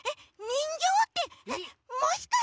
にんぎょうってもしかして。